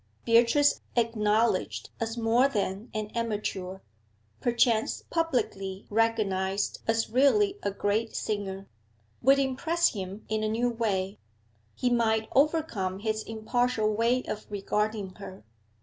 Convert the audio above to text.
Beatrice, acknowledged as more than an amateur, perchance publicly recognised as really a great singer, would impress him in a new way; he might overcome his impartial way of regarding her.